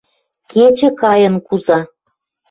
Кечӹ кайын куза.